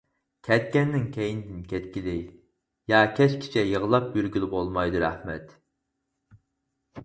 كەتكەننىڭ كەينىدىن كەتكىلى ياكى كەچكىچە يىغلاپ يۈرگىلى بولمايدۇ. رەھمەت!